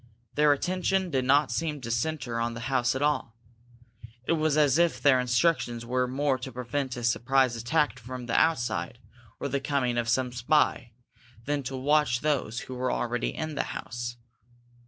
Their attention did not seem to centre on the house at all. It was as if their instructions were more to prevent a surprise attack from outside, or the coming of some spy, than to watch those who were already in the house.